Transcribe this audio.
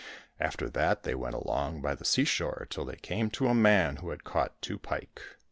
After that they went along by the seashore till they came to a man who had caught two pike.